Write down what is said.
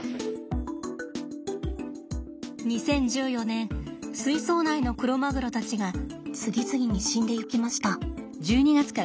２０１４年水槽内のクロマグロたちが次々に死んでいきました。